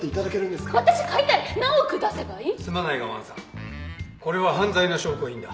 すまないが王さんこれは犯罪の証拠品だ。